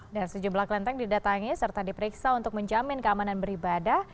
dan sejumlah klenteng didatangi serta diperiksa untuk menjamin keamanan beribadah